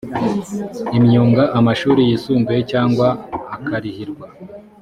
imyunga amashuri yisumbuye cyangwa akarihirwa